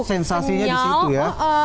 sensasinya disitu ya